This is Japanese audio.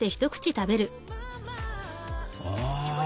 あ。